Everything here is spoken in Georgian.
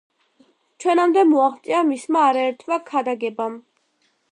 ჩვენამდე მოაღწია მისმა არაერთმა ქადაგებამ.